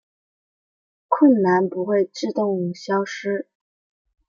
困难不会自动消失